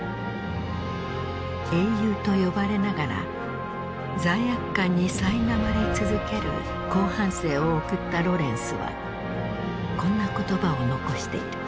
英雄と呼ばれながら罪悪感にさいなまれ続ける後半生を送ったロレンスはこんな言葉を残している。